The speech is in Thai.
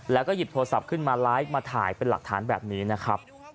แล้วก็หยิบโทรศัพท์ขึ้นมาไลฟ์มาถ่ายเป็นหลักฐานแบบนี้นะครับ